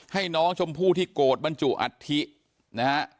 ให้น้องชมพู่ที่โกรธบรรจุอัฐินะฮะ